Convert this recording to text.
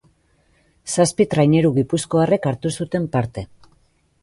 Zazpi traineru gipuzkoarrek hartu zuten parte.